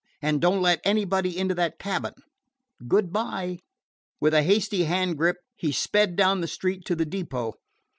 And don't let anybody into that cabin. Good by." With a hasty hand grip, he sped down the street to the depot.